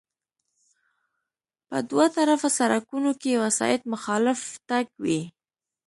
په دوه طرفه سړکونو کې وسایط مخالف تګ کوي